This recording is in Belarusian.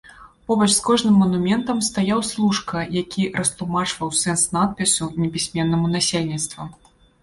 Побач з кожным манументам стаяў служка, які растлумачваў сэнс надпісу непісьменнаму насельніцтву.